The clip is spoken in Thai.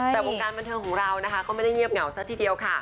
แต่วงการบันเทิงของเรานะคะก็ไม่ได้เงียบเหงาซะทีเดียวค่ะ